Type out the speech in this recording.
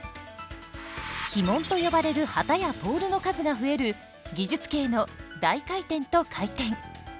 旗門と呼ばれる旗やポールの数が増える技術系の大回転と回転。